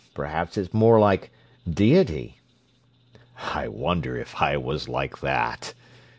Perhaps it's more like deity." "I wonder if I was like that!"